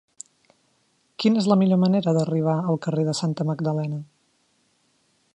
Quina és la millor manera d'arribar al carrer de Santa Magdalena?